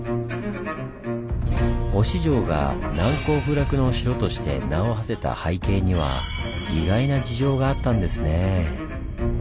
忍城が難攻不落の城として名をはせた背景には意外な事情があったんですね。